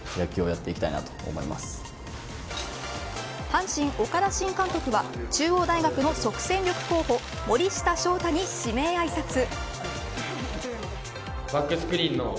阪神、岡田新監督は中央大学の即戦力候補森下翔太に指名あいさつ。